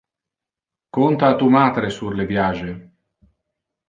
Conta a tu matre sur le viage.